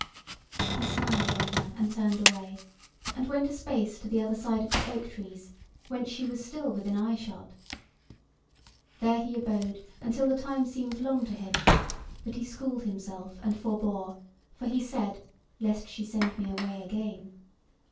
He smiled on her and turned away, and went a space to the other side of the oak trees, whence she was still within eyeshot. There he abode until the time seemed long to him; but he schooled himself and forbore; for he said: Lest she send me away again.